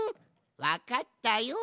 わかったよ。